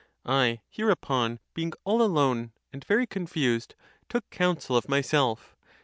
I hereupon, being all alone, and very confused, took counsel of myself.